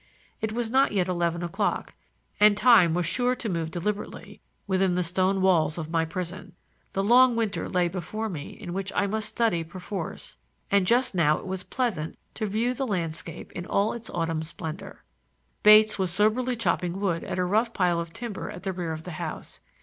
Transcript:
It was not yet eleven o'clock, and time was sure to move deliberately within the stone walls of my prison. The long winter lay before me in which I must study perforce, and just now it was pleasant to view the landscape in all its autumn splendor. Bates was soberly chopping wood at a rough pile of timber at the rear of the house.